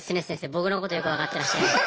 僕のことよく分かってらっしゃいます。